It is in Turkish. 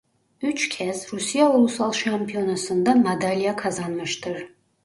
Üç kez Rusya ulusal şampiyonasında madalya kazanmıştır.